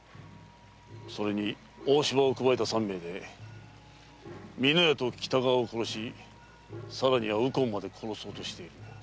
それに大柴を加えた三名で美濃屋と北川を殺しさらには右近まで殺そうとしている。